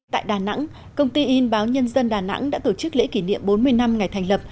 tại đà nẵng công ty in báo nhân dân đà nẵng đã tổ chức lễ kỷ niệm bốn mươi năm ngày thành lập